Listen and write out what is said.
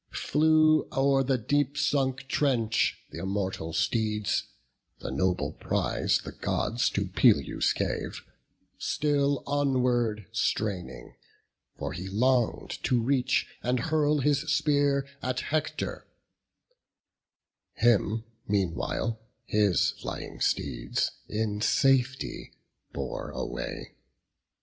Flew o'er the deep sunk trench th' immortal steeds, The noble prize the Gods to Peleus gave, Still onward straining; for he long'd to reach, And hurl his spear at Hector; him meanwhile His flying steeds in safety bore away.